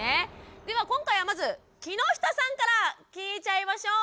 では今回はまず木下さんから聞いちゃいましょう。